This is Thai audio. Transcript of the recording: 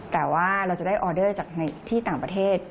แต่ว่าเราจะได้ออเดอร์จากที่ต่างประเทศ